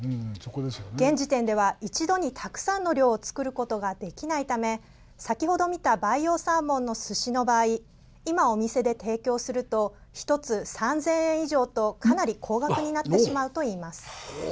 現時点では一度にたくさんの量を作ることができないため先ほど見た培養サーモンのすしの場合今お店で提供すると１つ３０００円以上とかなり高額になってしまうといいます。